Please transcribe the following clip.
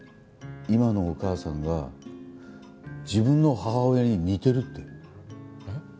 今のお母さんが自分の母親に似てるってうん？